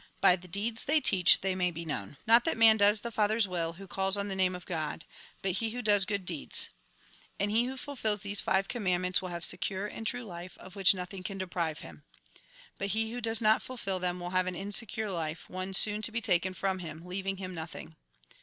By the deeds they teach they may be known. " Not that man does the Father's will, who calls on tlie name of God ; but he who does good deeds. And he who fulfils these five commandments will have secure aud true life, of which nothing can deprive him. But he who does not fulfil them will have an insecure life ; one soon to be taken from him, leaving him nothing."